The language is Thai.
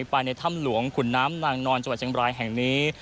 ไปในถ้ำหลวงขุนน้ำนางนอนจังหวัดเชียงบรายแห่งนี้